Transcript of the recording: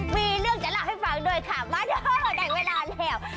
มีเรื่องจะเล่าให้ฟังด้วยค่ะมาเถอะได้เวลาแล้ว